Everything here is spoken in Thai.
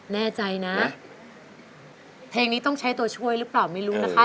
แน่ใจนะเพลงนี้ต้องใช้ตัวช่วยหรือเปล่าไม่รู้นะคะ